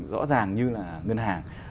rõ ràng như là ngân hàng